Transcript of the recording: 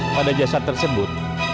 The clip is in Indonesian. pada jasad tersebut